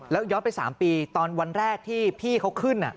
แล้วย้อนไป๓ปีตอนวันแรกที่พี่เขาขึ้น